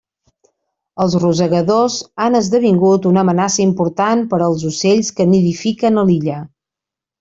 Els rosegadors han esdevingut una amenaça important per als ocells que nidifiquen a l'illa.